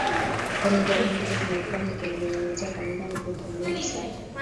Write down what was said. kwani jambo hili nimekuwa nikilizungumzia kwa muda wiki mbili sasa